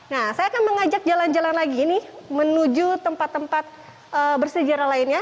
nah saya akan mengajak jalan jalan lagi nih menuju tempat tempat bersejarah lainnya